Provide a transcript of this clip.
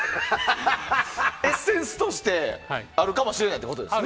エッセンスとしてあるかもしれないということですね。